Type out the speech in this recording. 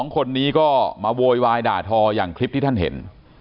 ๒คนนี้ก็มาโวยวายด่าทออย่างคลิปที่ท่านเห็น